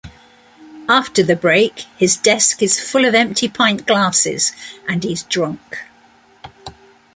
After the break, his desk is full of empty pint glasses, and he's drunk.